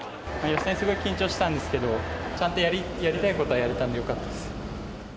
予選すごい緊張したんですけど、ちゃんとやりたいことはやれたんでよかったです。